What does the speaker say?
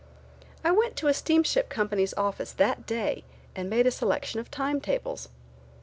I went to a steamship company's office that day and made a selection of time tables.